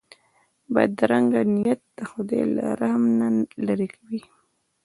بدرنګه نیت د خدای له رحم نه لیرې وي